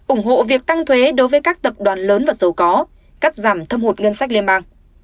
ủng hộ việc tăng thuế đối với các tập đoàn lớn và giàu có cắt giảm thâm hụt ngân sách liên bang